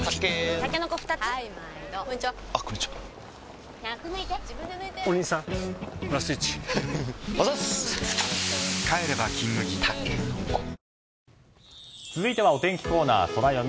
たけのこ続いてはお天気コーナー、ソラよみ。